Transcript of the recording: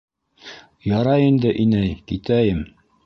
Ярай инде, инәй, китәйем.